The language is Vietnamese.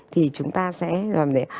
thì chúng ta sẽ làm như vậy